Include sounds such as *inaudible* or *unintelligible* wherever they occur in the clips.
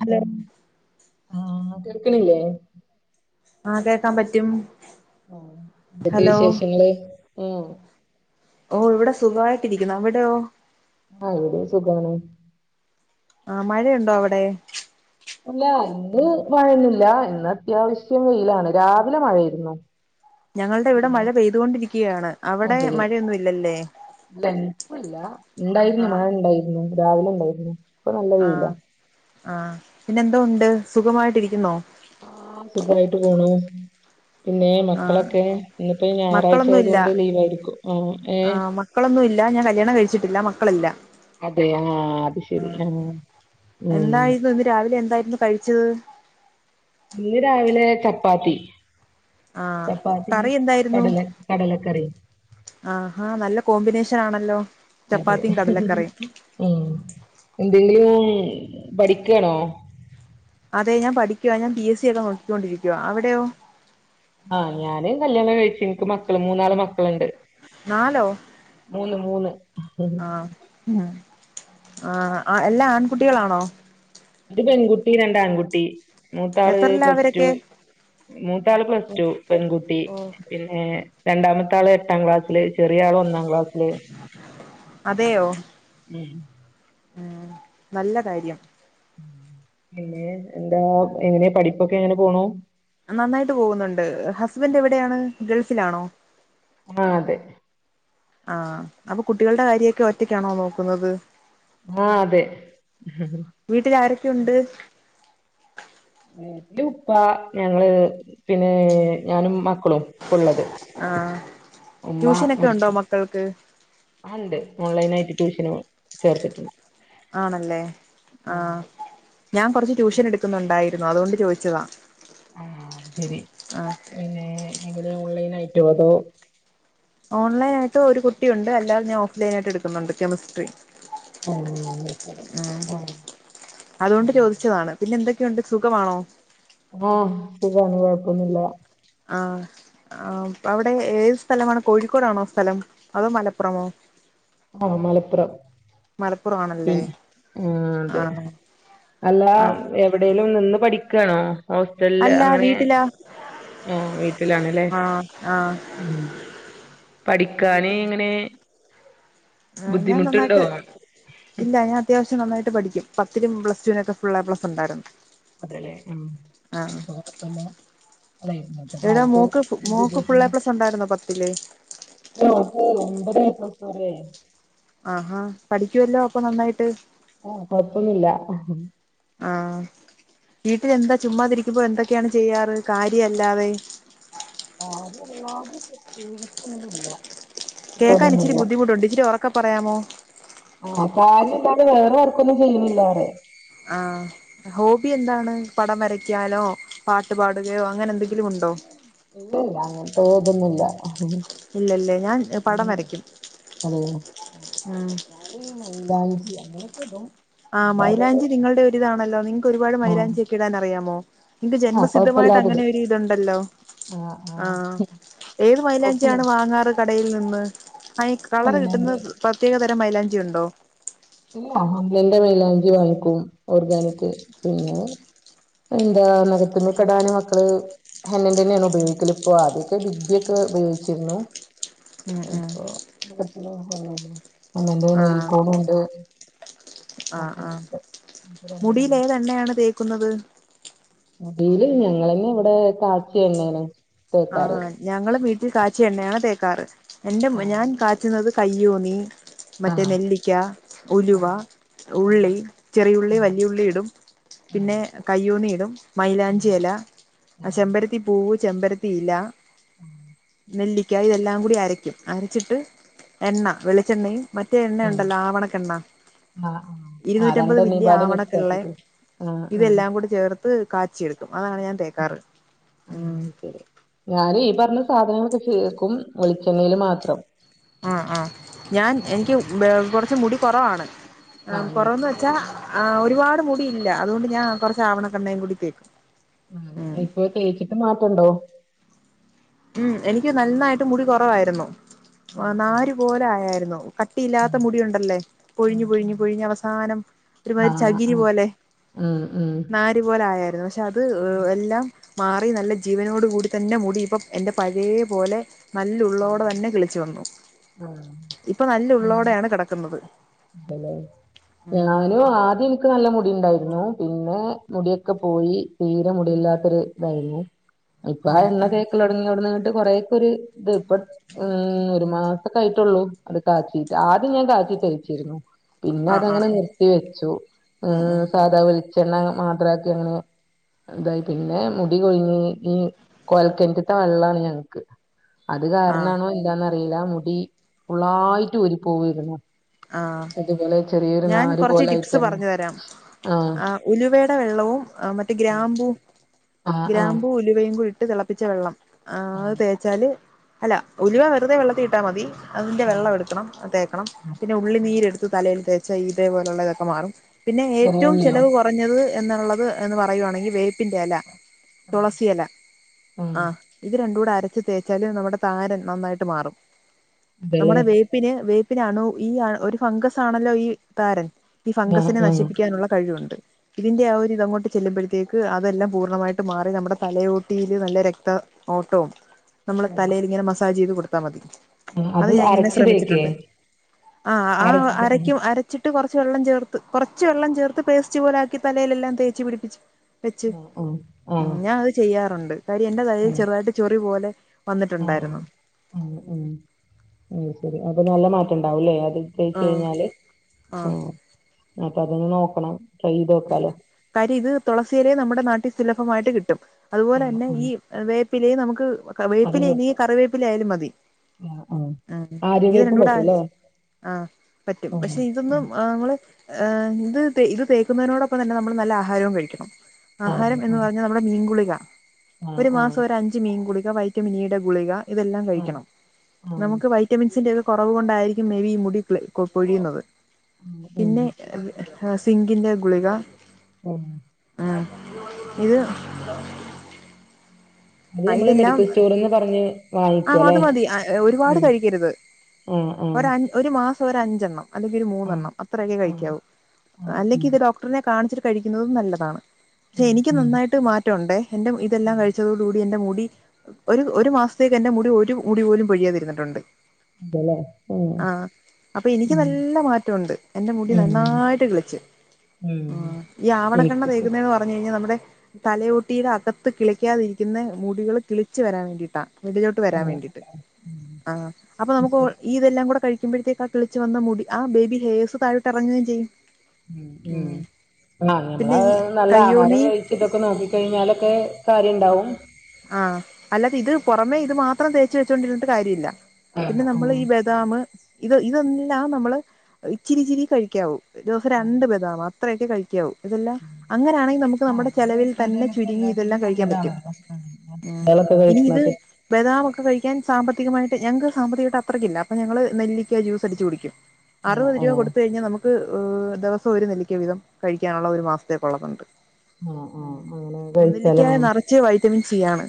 Hello ആ കേൾക്കണില്ലേ ആ കേക്കാൻ പറ്റും ആ എന്തൊക്കെയാ ഹലോ വിശേഷങ്ങള് ആ ഓ ഇവിടെ സുഖവായിട്ടിരിക്കുന്ന് അവിടെയോ *unintelligible* ഇവിടെയും സുഖമാണ് ആ മഴയുണ്ടോ അവിടെ ഇല്ല ഇന്ന് മഴയൊന്നുമില്ല ഇന്ന് അത്യാവശ്യം വെയിലാണ് രാവിലെ മഴ ആരുന്നു ഞങ്ങളുടെ ഇവിടെ മഴ പെയ്തുകൊണ്ടിരിക്കുകയാണ് അവിടെ അതെ മഴയൊന്നും ഇല്ലല്ലേ ഇപ്പൊ ഇല്ലാ ആ ഇണ്ടായിരുന്നു മഴ ഇണ്ടായിരുന്നു രാവിലെ ഇതാവനുംണ്ടായിരുന്നു *unintelligible* ഇപ്പൊ നല്ല ആ വെയിലാ ആ പിന്നെ എന്തോണ്ട് സുഖമായിട്ടിരിക്കുന്നോ ആ സുഖായിട്ട് പോണൂ പിന്നെ ആ മക്കളൊക്കെ ഇന്നിപ്പോ ഞായറാഴ്ച മക്കളൊന്നും ആയതു ഇല്ല കൊണ്ട് ലീവായിരിക്കും ആ ഏ ആ മക്കളൊന്നും ഇല്ല ഞാൻ കല്യാണം കഴിച്ചിട്ടില്ല മക്കളില്ല അതെയോ ആ അത് ശെരി ആ ഉം എന്തായിരുന്നു ഇന്ന് രാവിലെ എന്തായിരുന്നു കഴിച്ചത് ഇന്ന് രാവിലെ ചപ്പാത്തി ആ ചപ്പാത്തി കറി എന്തായിരുന്നു കടല കടലക്കറി ആഹാ നല്ല കോമ്പിനേഷൻ നാണല്ലോ അതെ ഉം എന്തെങ്കിലും പഠിക്കയാണോ അതെ ഞാൻ പഠിക്കുവാ ഞാൻ പി എസ് സി ഒക്കെ നോക്കൊണ്ടിരിക്കുവാ അവിടെയോ ആ ഞാന് കല്യാണം കഴിച്ചു എനിക്ക് മക്കള് മൂന്നാള് മക്കളുണ്ട് നാലോ മൂന്ന് മൂന്ന് ആ ആ അ എല്ലാം ആൺകുട്ടികളാണോ ഒരു പെൺകുട്ടി രണ്ടാൺകുട്ടി മൂത്താള് എത്രയിലാ പ്ലസ്ടു അവരൊക്കെ മൂത്താള് പ്ലസ്ടു പെൺകുട്ടി ഓ പിന്നെ രണ്ടാമത്തെ ആള് എട്ടാം ക്ലാസ്സില് ചെറിയ ആള് ഒന്നാം ക്ലാസില് അതെയോ ഉം ഉം നല്ല കാര്യം പിന്നെ എന്താ എങ്ങനെയാ പഠിപ്പൊക്കെ എങ്ങനെ പോണൂ നന്നായിട്ട് പോകുന്നുണ്ട് ഹസ്ബൻറ് എവിടെയാണ് ഗൾഫിലാണോ ആ അതെ ആ അപ്പൊ കുട്ടികളുടെ കാര്യൊക്കെ ഒറ്റക്കാണോ നോക്കുന്നത് ആ അതെ വീട്ടിൽ ആരൊക്കെയുണ്ട് വീട്ടിൽ ഉപ്പ ഞങ്ങള് പിന്നെ ഞാനും മക് ക്കും ഉള്ളത് ആഹ് ഉമ്മ ട്യൂഷനൊക്കെ ഉണ്ടോ മരിച്ചു മക്കൾക്ക് ആ ഉണ്ട് ഓൺലൈനായി ട്യൂഷന് ചേർത്തിട്ടുണ്ട് ആണല്ലേ ഉം ആഹ് ഞാൻ കൊറച്ച് ട്യൂഷൻ എടുക്കുന്നൊണ്ടായി രുന്നു അതുകൊണ്ട് ചോദിച്ചതാ ആ അതുശരി ആഹ് പിന്നെ എങ്ങനെയാ ഓൺലൈൻ ആയിട്ടോ അതോ ഓൺലൈൻ ആയിട്ട് ഒരു കുട്ടിയുണ്ട് അല്ലാതെ ഞാൻ ഓഫ്‌ലൈൻ ആയിട്ട് എടുക്കുന്നുണ്ട് കെമിസ്ട്രി ആഹ് ശരി ഉം ആഹ് അതുകൊണ്ട് ചോദിച്ചതാണ് പിന്നെ എന്തൊക്കെ ക്കെയുണ്ട് സുഖമാണോ? ഓഹ് സുഖാണ് കൊഴപ്പൊന്നുല്ല ആ ആഹ് അവിടെ ഏത് സ്ഥലമാണ് കോഴിക്കോടാണോ സ്ഥലം അതോ മലപ്പുറമോ? ആഹ് മലപ്പുറം മലപ്പുറം പി ആണല്ലേ ആഹ് അതെ ആഹ് അല്ലാ ആഹ് എവിടേലും നിന്ന് പഠി ക്കാണോ? ഹോസ്റ്റലില് അല്ല അങ്ങനെ വീട്ടിലാ ആഹ് വീട്ടിലാണല്ലേ ആഹ് ആഹ് ഉം പഠിക്കാന് എങ്ങനെ ആ ഞാൻ ബുദ്ധിമുട്ടുണ്ടോ നന്നായിട്ട് ഇല്ല ഞാൻ അത്യാവശ്യം നന്നായിട്ട് പഠിക്കും പത്തിനും പ്ലസ് ടുവിനൊക്കെ ഫുള്ള് എ പ്ലസ് ഉണ്ടായിരുന്നു അതെലേ ഉം ആഹ് *unintelligible* അല്ല ന്നത്തെ എടാ കാലത്ത് mock mock full A plus ഉണ്ടായിരുന്നോ പത്തില് *unintelligible* ഒമ്പത് എ പ്ലസ് ഒര് എ ആഹാ പഠിക്കുവല്ലോ അപ്പൊ നന്നായിട്ട് ആഹ് കൊഴപ്പൊന്നുല്ല. ! ! ! ! ! ! ! ! ! !! ! ! ! ! ! ! ! ! ! കേൾക്കാനിച്ചിരി ബുദ്ധിമുട്ടുണ്ട് ഇച്ചിരി ഒറക്കെ പറയാമോ? ! ! ! ! ! ! ! ! ! ! ആ ഹോ ബി എന്താണ് പടം വരയ്ക്കാനോ പാട്ട് പാ ഇല്ലില്ലാ അങ്ങ ഏയ് അതൊന്നുല്ല. ഇല്ലല്ലേ ഞാൻ പടം വരയ്ക്കും അതെ ഉം ഞാനീ മൈലാഞ്ചി അങ്ങനൊക്കെ ഇടും. ആഹ് മൈലാഞ്ചി നിങ്ങളുടെ ഒരിതാണല്ലോ നിങ്ങക്ക് ഒരുപാട് ആഹ് മൈലാഞ്ചിയൊക്കെ ഇടാൻ അറിയാമോ? നിങ്ങക്ക് ആഹ് ജന്മസിദ്ധമായിട്ട് കൊഴപ്പല്ലാതെ അങ്ങനെ ഇടും ഒരിതുണ്ടല്ലോ ആഹ് ഏത് കൊഴപ്പല്ല മൈലാഞ്ചിയാണ് വാങ്ങാറ് ക കടയിൽ നിന്ന് ആ ഈ കളർ കിട്ടുന്ന ഒന്നെന്റെ പ്രത്യേകത ന്റെ മൈലാഞ്ചി ഉണ്ടോ ഇല്ല ഹംലന്റെ മൈലാഞ്ചി വാങ്ങിക്കും ഓർഗാനിക് പിന്നെ എന്താ നഖത്തിമ്മെ ക്കെടാന് മക്കള് ഹന്നെന്റെന്നെയാണ് ഉപയോഗിക്കല് പ്പൊ ആദ്യൊതെ ബിഗ്ബി ഒക്കെ ഉപയോഗിച്ചിരുന്നു ഉം ഉം ഇപ്പൊ *unintelligible* ഹന്നന്റെ ആ നെയിൽകോണുംണ്ട്. ബസ്മലുണ്ട് മുടീല്ഏതെണ്ണയാണ് തേക്കുന്നത്? മുടീല് ഞങ്ങളെന്നെ ഇവിടെ കാച്ചി എണ്ണേണ് ആഹ് ഞങ്ങള് വീട്ടി കാ ച്ചിഎണ്ണഅണ് തേക്കാറ് എന്റെമോൻ ആഹ് ഞാൻ കാച്ചുന്നത് കയ്യോന്നി മറ്റേ ആഹ് നെല്ലിക്ക ഉലുവ ആഹ് ആഹ് ഉള്ളി ചെറിഉള്ളി ഉം വല്യഉള്ളി ഇടും ഉം പിന്നെ കയ്യോന്നി ഇടും ഉം മൈലാഞ്ചി എല അ ആഹ് ചെമ്പരത്തി പൂവ് ചമ്പര ത്തി ഇല ഉം നെല്ലിക്ക ഇതെല്ലാം കൂടി അരയ്ക്കും അരച്ചിട്ട് എണ്ണ വെളിച്ചെണ്ണയും മറ്റേ എണ്ണ ഉം ഉണ്ടല്ലോ ആവണക്കണ്ണ ആഹ് ആഹ് ആഹ് ഇരുന്നൂറ്റിമ്പത് മില്ലി രണ്ടെണ്ണീമ്പാടെ മിക്സ് ആവണക്കളേ ആക്കിട്ട് ആഹ് ആഹ് ഇതെല്ലാം കൂടെ ചേർത്ത് അത് കാച്ചി എടുക്കും അതാണ് ഞാൻ തേക്കാറ് ഉം ഞാൻ ഈ പറഞ്ഞ സാധനങ്ങളൊക്കെ ചേർക്കും വെളിച്ചെണ്ണയില് മാത്രം ആഹ ആഹ ഞാൻ എനിക്ക് കുറച്ച് മുടി കുറവാണ് ആ ആഹ് കൊറവന്ന് എനിക്കും വെച്ചാ കൊറവാണ് ഒരുപാട് മുടിയില്ല അതുകൊണ്ട് ഞാൻ കൊറച്ച ആവണക്കെണ്ണയും കൂടിത്തേക്കും ആ ഇപ്പൊ തേച്ചിട്ട് മാറ്റണ്ടോ ഉം എനിക്ക് നന്നായിട്ട് മുടി കുറവായിരുന്നു ആ ആഹ് നരുപലെ ആയായിരുന്നു കട്ടിയില്ലാത്ത ആഹ് മുടി ഉണ്ടല്ലേ പൊ ഴിഞ്ഞു ആഹ് പഴിഞ്ഞു പഴിഞ്ഞഞ് അവസാനം ആഹ് ഒരുമാതിരി ആഹ് ചകിരി ആഹ് ആഹ് പോലെ ഉം ഉം നാരി പോലെ ആയായിരുന്നു പക്ഷെ അത് ഏ എല്ലാം മാറി നല്ല ജീവനോടു കൂടി തന്നെ മുടി ഇപ്പം എന്റെ പഴയെ പോലെ നല്ല ഉള്ളോടെ തന്നെ കിളിച്ചു വന്നു ഇപ്പൊ നല്ല ഉള്ളോടെയാണ് കിടക്കുന്നത് ഉം ഞാനും ആദ്യം എനിക്ക് നല്ല മുടി ണ്ടായി രുന്നു പിന്നെ മുടിയൊക്കെ പോയി തീരെ മുടിയില്ലാത്തൊരു ഇതായിരുന്നു ഇപ്പൊ ആ ഉം എണ്ണ ഉം തേക്ക തുടങ്ങി ഇവിടുന്നിട്ട് കുറെ ഒരു ഇത് ഇപ്പം ഉ ഒരു മാസക്കെ ആയിട്ടുള്ളൂ അത് തായ്‌ത്തിട്ട് ആദ്യം ഞാൻ *unintelligible* തരിച്ചിരുന്നു പിന്നെ ആഹ് അതങ്ങനെ ആഹ് നിർത്തി വെച്ചു ഉം ഉം സാധാ വിലിച്ചു ചെണ്ണ മാത്രക്കി അങ്ങനെ ഇതായി പിന്നെ മുടി കൊഴിഞ്ഞ് ഈ കോയൽ കിണറിത്തെ വെള്ളാണ് ഞങ്ങക്ക് അത് ആഹ് കാരണമാണോ എന്താണ് അറില മുടി ഫുള്ളായിട്ട് ഊരി പോവേര്ന്നു ആഹ് അതുപോലെ ചെറിയൊരു ഞാൻ നാര് കുറച്ച് പോലെ ടിപ്സ് ആയിട്ടങ്ങനെ പറഞ്ഞു തരാം ആഹ ആഹ് ഉലുവയുടെ വെള്ളവും ആ മറ്റേ ഗ്രാമ്പു ആഹ് ആഹ് ഗ്രാബു ഉലുവയും ഇട്ട് തിളപ്പിച്ച വെള്ളം ആ അത് തേച്ചാല് അല്ല ഉലുവ വെറുതെ വെള്ളത്തി ഇട്ടാ മതി അതിന്റെ വെള്ളം ആഹ് എടുക്കണം തേക്കണം പിന്നെ ഉള്ളി ആഹ് നീര് എടുത്ത് തലയിൽ തേ ച്ചാ ഇത്പോലെയുള്ളതൊക്കെ മാറും പിന്നെ ചെറിയ ഏറ്റവും ഉള്ളിയോ ചെലവ് കുറഞ്ഞത് എന്നുള്ളത് എന്ന് പറയുവാണെങ്കിൽ വേപ്പിന്റെ എല തുളസിയെല ഉം ആ ഇത് രണ്ടും കൂടെ അര അരച്ച് തേച്ചാൽ നമ്മുടെ താരൻ നന്നായിട്ട് മാറും അതെല്ലേ നമ്മുടെ വേപ്പിന് വേ പിന്നെ അണു ഈ ആ ഒരു ഫംഗസ് ആണല്ലോ ഈ താരൻ ഈ ആഹ് ഫംഗസിനെ ആഹ് നശിപ്പിക്കാനുള്ള കഴിവുണ്ട് ഇതിന്റെ ആ ഒരു ഇതങ്ങോട്ട് ചെല്ലുമ്പോഴത്തേക്ക് അതെല്ലാം പൂർണ്ണമായിട്ട് മാറി നമ്മുടെ തലയോട്ടിയില് നല്ല രക്ത ഓട്ടവും നമ്മള് തലയിൽ ഇങ്ങനെ മസാജ് ചയ്തു കൊടു കൊടുത്താമതി ആഹ് അത് അരച്ച് തേക്കേ ആഹ് ആഹ് അരച്ച് അരക്കും അരച്ച് ട്ട് കുറച്ച് വെള്ളം ചേർത്ത് കുറച്ച് വെള്ളം ചേർത്ത് പേസ്റ്റ് പോലെ ആക്കി തലയിലെല്ലാം തേച്ച് പിടിപ്പിച്ചു വെച്ചു ആഹ് ആഹ് ആഹ് ഞാൻ അത് ചെയ്യാറുണ്ട് കാര്യം എന്റെ തലയിൽ ആഹ് ചെറുതായിട്ട് ചൊറി പോലെ ആഹ് വന്നിട്ടുണ്ടായിരുന്നു അപ്പം നല്ല മാറ്റംണ്ടാവല്ലേ എന്നാല് തേച്ചു ആഹ് കഴിഞ്ഞാല് ആഹ് അപ്പൊ അതൊന്ന് നോക്കണം ട്രൈ ചെയ്ത് ഉം നോക്കാലോ കാര്യം ഇത് തുളസിയിലെ നമ്മുടെ നാട്ടിൽ സുലഭമായിട്ട് കിട്ടും അതുപോലെ ആഹ് തന്നെ ആഹ് ഈ വേപ്പിലയും നമുക്ക് *unintelligible* വേപ്പില അതും ഇല്ലെങ്കി കിട്ടും കറിവേപ്പില ആയാലും മതി ആഹ് ആഹ് ആ ഇത് രണ്ട് ആര്യവേപ്പും കൂടെ പറ്റൂല്ലേ അരച്ച് ആ പറ്റും ആഹ് പക്ഷെ ഉം ഇതൊന്നും നമ്മള് ആ ഇത് ഇത് തേ തേക്കുന്നതിനോടപ്പം തന്നെ നമ്മള് നല്ല ആഹാരവും കഴിക്കണം ആ ആഹാരം എന്ന് പറഞ്ഞാൽ നമ്മുടെ മീൻ ഗുളിക ആ ആ ഒരു ആ മാസം ഒരു അഞ്ച് മീൻ ഗുളി പിന്നെ വൈറ്റമിൻ ഇ യുടെ ഗുളിക ഇതെല്ലാം ആ കഴിക്കണം ആ നമുക്ക് വൈറ്റമിൻസിന്റെ കുറവു കൊണ്ടായിരിക്കും മേബി ഈ മുടി പൊഴിയുന്നത് ഉം പിന്നെ ആ സിംഗിന്റെ ഗുളിക ഉം ആ ഇത് അത് ആ നമ്മള് ഇതെല്ലാം മെഡിക്കൽ സ്റ്റോറിന്ന് പറഞ്ഞ് ആ അത് വാങ്ങിക്കുവല്ലേ മതി ഒരുപാട് ഉം കഴിക്കരുത് ആ ആ ഒരാ ഒരു മാസ ഒരഞ്ചെണ്ണം അല്ലെങ്കിൽ ഒരു ആ മൂന്നെണ്ണം അത്രയൊക്കെ ആ ആ ഉം കഴിക്കാവുഅല്ലെങ്കിൽ ഉം ഇത് ഡോക്ടറിനെ കാണിച്ചിട്ട് കഴിക്കുന്നതും നല്ലതാണ് പക്ഷെ എനിക്ക് ഉം നന്നായിട്ട് മാറ്റം ഉണ്ടേ എന്റെ ഇതെല്ലാം ഉം കഴിച്ചതോ എന്റെ മുടി ഒരു ഒരു മാസത്തേക്ക് എന്റെ മുടി ഒരു മുടി പോലും പൊഴിയാതിരിന്നിട്ടുണ്ട് അതെല്ലേ ഉം ആ അപ്പൊ എനിക്ക് ഉം നല്ല മാറ്റമുണ്ട് എന്റെ മുടി ഉം നന്നായിട്ട് കിളച്ച് ഉം ഈ ആവണക്കെണ്ണ എനിക്കിപ്പോ തേകുന്നതന്ന് പറഞ്ഞു കഴിഞ്ഞാൽ നമ്മുടെ തലയോട്ടിയുടെ അകത്ത് കിളിക്കാതിരി ക്കുന്ന മുടികൾ കിളിച്ച് വരാൻ വേണ്ടിയിട്ടാണ് വെളിയിലോട്ട് ആ വരാൻ വേണ്ടിട്ട് ഉം ആ അപ്പൊ നമുക്ക് ശരി ഇതെല്ലാം കൂടെ കഴി പിക്കുമ്പോഴത്തേ ആ കിളിച്ച് വന്ന മുടി ആ ബേബി ഹേഴ്സ് തയോട്ട്ഇറങ്ങുകയും ചെയ്യും ഉം ഉം ആ പിന്നെ ഞമ്മള് ഈ നല്ല ആഹാരം കയ്യോന്നി കഴിച്ചിട്ടൊക്കെ നോക്കിക്കഴിഞ്ഞാലൊക്കെ കാര്യണ്ടാവും ആ അല്ലാതെ ഇത് പുറമേ ഇത് മാത്രം തേച്ച് വെച്ചോണ്ടിരുന്നിട്ട് കാര്യമില്ല ആ പിന്നെ നമ്മള് ഈ ബദാമ് ഇത് ഇതെല്ലാം നമ്മള് ഇച്ചിരിച്ചിരി കഴിക്കാവൂ ദി സം ആ രണ്ട് ബദാമ് അത്രയട്ട് കഴിക്കാവും ഇതെല്ലാം ആ അങ്ങനാണെങ്കി നമുക്ക് ആ നമ്മുടെ അത് ചെലവിൽ കഴിക്കണത് തന്നെ നമുക്ക് ചുരുങ്ങി ഇതെല്ലാം എല്ലാറ്റിനും കഴിക്കാൻ പറ്റും നല്ലതാണല്ലോ ഉം കളൊക്കെ ഇനി ഇത് കഴിക്കണത് ബദാം ഒക്കെ കഴിക്ക ഞാൻ സാമ്പത്തികമായിട്ട് ഞങ്ങക്ക് സാമ്പത്തികമായിട്ട് അത്രയ്ക്ക്ല്ല അപ്പൊ ഞങ്ങള് നെല്ലിക്ക ജ്യൂസ് അടിച്ച് കുടിക്കും ആ അറുപത് ആ ആ രൂപ കൊടുത്ത് കഴിഞ്ഞാ നമുക്ക് ക്ക് ദിവസം ഒരു നെല്ലിക്ക വിധം കഴിക്കാനുള്ള ഒരു മാസത്തേക്കുള്ളതുണ്ട് ആ അങ്ങനെ കഴിച്ചാലോ നെല്ലിക്കായ ആ നറച്ച് വൈറ്റമിൻ ചെയിണ്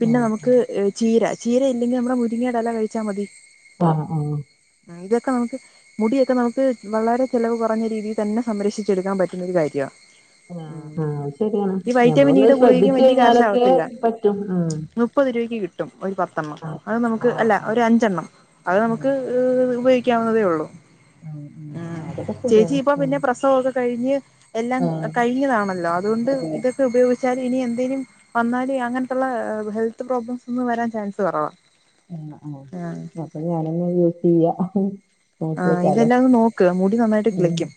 പിന്നെ ആ നമുക്ക് ചീര ചീര ഇല്ലെങ്കിൽ നമ്മടെ മുരിങ്ങയുടെ ഇല കഴിച്ചാൽ മതി അ ആ ഇതൊക്കെ നമുക്ക് മുടിയൊക്കെ നമുക്ക് വളരെ ചെലവ് കുറഞ്ഞ രീതിയിൽ തന്നെ സംരക്ഷിച്ചെടുക്കാൻ പറ്റുന്ന ഒരു കാര്യ ആ ആ അത് ശരിയാണ് വൈറ്റമിൻ ഞമ്മളൊന്ന് ഇയുടെ ഗുളികയ്ക്ക് ശ്രദ്ധിച്ചു വലിയ കഴിഞ്ഞാലൊക്കെ കാശാവത്തില്ല പ മുപ്പത് രൂപക്ക് കിട്ടും ഒരു പത്തെണ്ണം ആ അത് നമുക്ക് ആ അല്ല ആ ഒരു അഞ്ചെണ്ണം അത് നമുക്ക് ഉം ഉപയോഗിക്കാവുന്നതേ ഉള്ളൂ ഉം ഉം ആ, അതൊക്കെ ചേച്ചി ശരിയാണ് ഇപ്പം പിന്നെ ഉം പ്രസവൊക്കെ കഴിഞ്ഞ് എല്ലാം ആ കഴിഞ്ഞതാണല്ലോ അതുകൊണ്ട് അതെ ഇതൊക്കെ ഉപയോഗി ച്ചാൽ ഇനി എന്തെങ്കിലും വന്നാല് അങ്ങനെത്തുള്ള ഹെൽത്ത് പ്രോബ്ലംസ് ഒന്നും വരാൻ ചാൻസ് കുറവാ ആ ആ ആഹ് അപ്പം ഞാന് ങ്ങനെ യൂ ഇല്യാ ആ ഇതെല്ലാം നോക്ക് മുടി നന്നായിട്ട് ഉം കിളിക്കും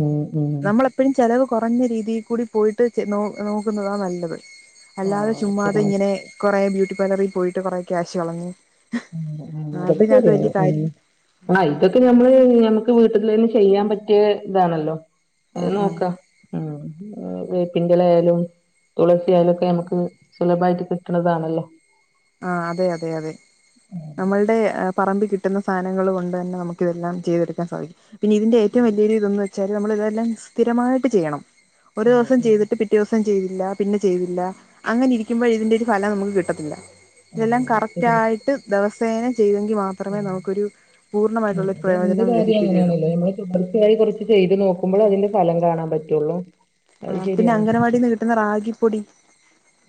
ഉം ഉം നമ്മളെപ്പോഴും ചെലവ് കുറഞ്ഞ രീതിയിൽ കൂടി പോയിട്ട് നോക്കുന്നതാ നല്ലത് ആ അല്ലാതെ ചുമ്മാതെ ശരിയാണ് ഇങ്ങനെ കൊറെ ബ്യൂ ട്ടിപാർലറിൽ പോയിട്ട് കുറെ ക്യാഷ് കളഞ്ഞ് ഉം ഉം അതൊക്കെ അതിനകത്ത് ശരിയാണ് വലിയ കാര്യം ഉ ആ ഇത് ക്ക് നമ്മള് നമ്മക്ക് വീട്ടിൽ തന്നെ ചെയ്യാൻ പറ്റിയ ഇതാണല്ലോ അത് ഉം ഉം നോക്കാം ഉം വേപ്പിന്റെലായാലും തുളസി ആയാലൊക്കെ നമുക്ക് സുലഭമായിട്ട് കിട്ടണതാണല്ലോ ആ അതെ അതെ അതെ ഉം നമ്മൾടെ പറമ്പി കിട്ടുന്ന സാധനങ്ങൾ കൊണ്ട് തന്നെ നമുക്കതെല്ലാം ചെയ്തെടുക്കാൻ സാധിക്കും പിന്നെതിന്റെ ഏറ്റവും വലിയ ഇത് ന്ന് വ ച്ചാല് നമ്മൾ ഇതെല്ലാം സ്ഥിരമായിട്ട് ചെയ്യണം ഒരു ദിവസം ഉം ചെയ്തിട്ട് പിറ്റേ ദിവസം ചെയ്തില്ല പിന്നെ ചെയ്തില്ല അങ്ങനെ ഇരിക്കുമ്പൊ ഇതിന്റെ ഒരു ഫലം നമുക്ക് കിട്ടത്തില്ല ഇതെല്ലാം ഉം കറക്റ്റ് ശരി ആയിട്ട് ദവസ പേ ഉം ഉം പൂർണ്ണമായിട്ടുള്ള ഒരു അത് എന്ത് പ്രയോജനം കാര്യം ലഭിക്കുകയുള്ളൂ അങ്ങനെയാണല്ലോ നമ്മൾ തുടർച്ചയായി കുറച്ച് ചെയ്ത് നോക്കുമ്പൾ അതിന്റെ ഫലം കാണാൻ പ റ്റുള്ളൂ ആ പിന്നെ അംഗനവാടിന്ന് കിട്ടുന്ന റാഗിപ്പൊടി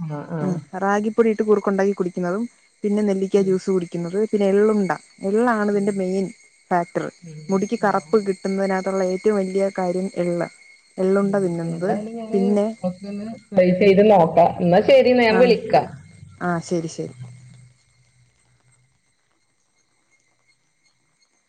ആഹ് ഉം ആഹ് റാഗിപ്പൊടി ഇട്ട് കുറുക്കുണ്ടാക്കി കുടി ക്കുന്നതും പിന്നെ നെല്ലിക്ക ഉം ജ്യൂസ് കുടിക്കുന്നത് പിന്നെ എള്ളുണ്ട. എള്ളാണ് ഇതിന്റെ മെയിൻ ഫാക്ടർ ഉം മുടിക്ക് ഉം കറുപ്പ് ആഹ് കിട്ടുന്നതിന ട്ട്ള്ള ഏറ്റവും വലിയ കാര്യം എള്ള്. എള്ളുണ്ട തിന്നുന്നു. എന്തായാലും ഞാന് ഒക്കെയൊന്ന് ട്രൈ ചെയ്ത് നോക്കാം ഇന്നാ ശരി ന്നാ ഞാൻ ആ വിളിക്കാം. ആ ശരി ശരി